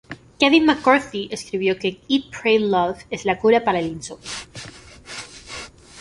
Kevin McCarthy escribió que: ""Eat Pray Love" es la cura para el insomnio.